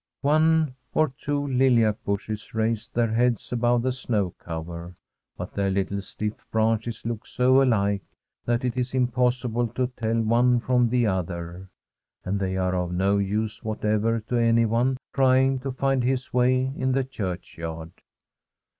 One or two lilac bushes raise their heads above [326 I Tbi INSCRIPTION on the GRAVE the snow cover, but their little stiff branches look so alike, that it is impossible to tell one from the other, and they are of no use whatever to anyone trying to find his way in the churchyard.